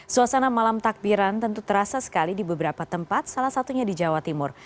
suasana malam takbiran tentu terasa sekali di beberapa tempat salah satunya di jawa timur